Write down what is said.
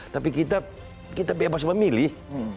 tapi kita bebas memilih